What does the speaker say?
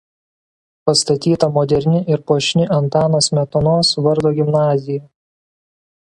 Pastatyta moderni ir puošni Antano Smetonos vardo gimnazija.